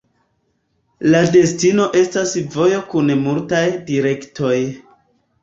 La destino estas vojo kun multaj direktoj.